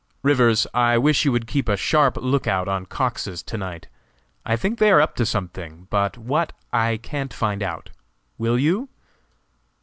"Rivers, I wish you would keep a sharp lookout on Cox's to night. I think they are up to something, but what, I can't find out. Will you?"